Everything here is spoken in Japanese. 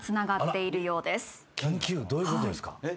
どういうことですか。